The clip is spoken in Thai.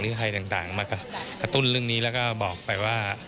มันกระตุ้นเรื่องนี้แล้วก็บอกไปว่า